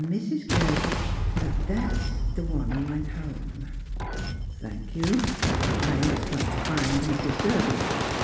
Mrs. Gurbage,' that's the one who went home." " Thanks. I must try to find Mrs. Gurbage.